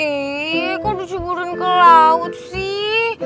eh kok diceburun ke laut sih